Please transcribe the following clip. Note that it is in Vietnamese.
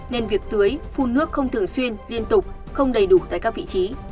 nên việc tưới phun nước không thường xuyên liên tục không đầy đủ tại các vị trí